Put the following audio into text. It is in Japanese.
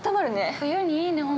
◆冬にいいね。